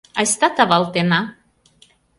Айста тавалтена